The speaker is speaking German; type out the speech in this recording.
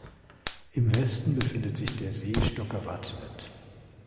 Im Westen befindet sich der See Stokkevatnet.